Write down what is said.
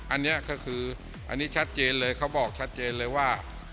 อันนี้ก็คืออันนี้ชัดเจนเลยเขาบอกชัดเจนเลยว่า